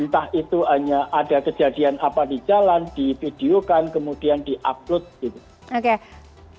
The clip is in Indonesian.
entah itu hanya ada kejadian apa di jalan di videokan kemudian diupload